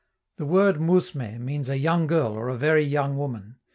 The word 'mousme' means a young girl, or very young woman.